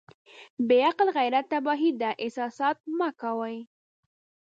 بې عقل غيرت تباهي ده احساسات مه کوئ.